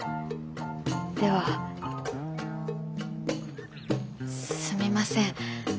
ではすみません